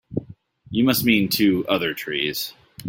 You must mean two other trees.